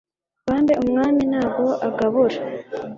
Bambe Umwami nta bwo agabura